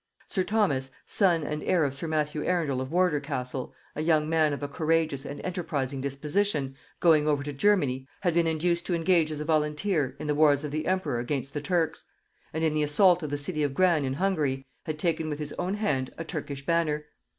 Sir Thomas, son and heir of sir Matthew Arundel of Wardour castle, a young man of a courageous and enterprising disposition, going over to Germany, had been induced to engage as a volunteer in the wars of the emperor against the Turks; and in the assault of the city of Gran in Hungary had taken with his own hand a Turkish banner.